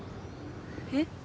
えっ？